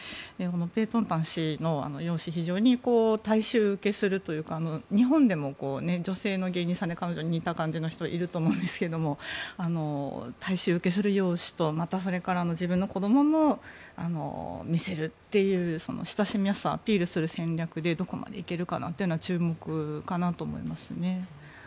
ペートンタン氏の容姿非常に大衆受けするというか日本でも女性の芸人さんで彼女に似た感じの人がいると思うんですが大衆受けする容姿とまた自分の子どもも見せるという親しみやすさをアピールする戦略でどこまでいけるかなっていうのは注目かなと思いますね。